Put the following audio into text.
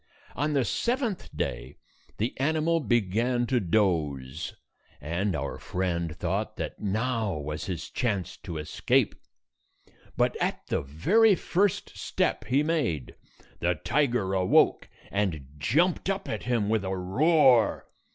On the seventh day, the animal began to doze, and our friend thought that now was his chance to escape. But at the very first step he made, the tiger awoke and jumped up at him with a roar.